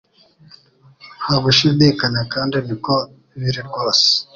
Nta gushidikanya kandi niko biri rwose